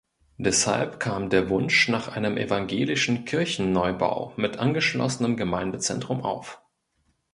Deshalb kam der Wunsch nach einem evangelischen Kirchenneubau mit angeschlossenem Gemeindezentrum auf.